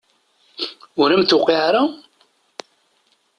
Ur am-d-tuqiɛ ara?